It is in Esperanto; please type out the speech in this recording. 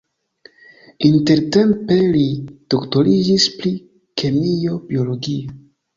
Intertempe li doktoriĝis pri kemio-biologio.